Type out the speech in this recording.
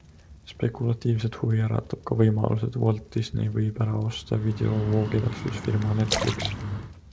Spekulatiivset huvi äratab ka võimalus, et Walt Disney võib ära osta videovoogedastusfirma Netflix.